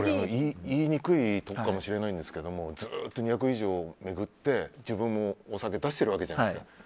言いにくいかもしれないんですけどずっと２００以上巡って自分もお酒出しているわけじゃないですか。